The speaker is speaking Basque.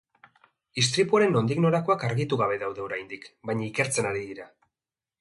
Istripuaren nondik norakoak argitu gabe daude oraindik, baina ikertzen ari dira.